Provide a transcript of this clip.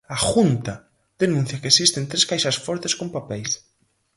A Junta denuncia que existen tres caixas fortes con papeis.